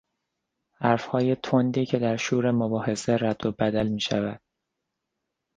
حرفهای تندی که در شور مباحثه رد و بدل میشود